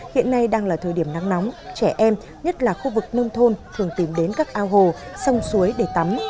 hiện nay đang là thời điểm nắng nóng trẻ em nhất là khu vực nông thôn thường tìm đến các ao hồ sông suối để tắm